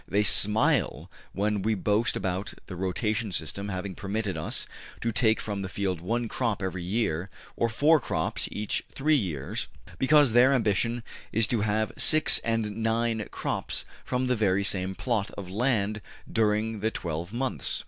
They smile when we boast about the rotation system having permitted us to take from the field one crop every year, or four crops each three years, because their ambition is to have six and nine crops from the very same plot of land during the twelve months.